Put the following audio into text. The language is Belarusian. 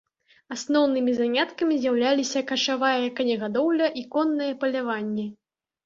Асноўнымі заняткамі з'яўляліся качавая конегадоўля і коннае паляванне.